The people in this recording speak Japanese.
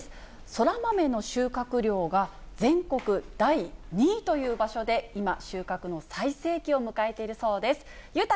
そら豆の収穫量が全国第２位という場所で、今、収穫を最盛期を迎えているそうです。